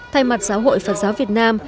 thay mặt giáo hội phật giáo việt nam